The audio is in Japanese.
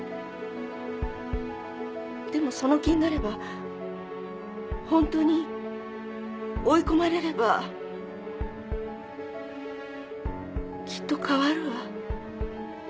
でもその気になればホントに追い込まれればきっと変わるわ